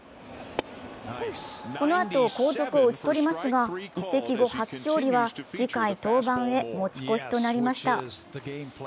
このあと後続を打ち取りますが、移籍後、初勝利は次回登板へ持ち越しとなりました。